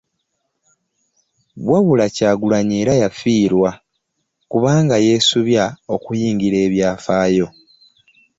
Wabula Kyagulanyi era yafiirwa kuba yeesubya okuyingira ebyafaayo